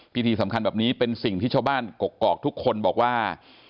พิธีสำคัญแบบนี้เป็นสิ่งที่ชาวบ้านกกอกทุกคนบอกว่า